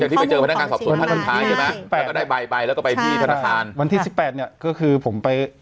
ที่เป็นข้อมูลของบัญชีมากใช่ไหมครับวันที่๑๘เนี่ยก็คือผมไป